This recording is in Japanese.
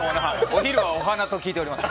お昼はお花と聞いております。